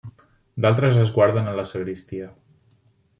D'altres es guarden a la sagristia.